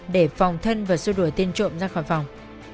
để phòng thân và xua đuổi tên trộm ra khỏi phòng